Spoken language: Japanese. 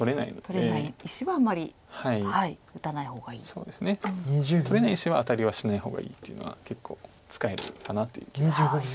そうですね取れない石はアタリはしない方がいいっていうのは結構使えるかなという気がします。